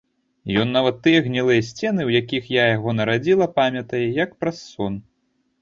Ён нават тыя гнілыя сцены, у якіх я яго нарадзіла, памятае, як праз сон.